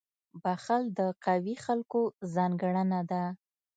• بخښل د قوي خلکو ځانګړنه ده.